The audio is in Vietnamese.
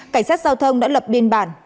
cảnh sát giao thông đã lập biên bản